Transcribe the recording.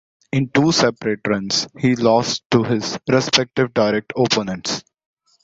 In two separate runs he lost to his respective direct opponents.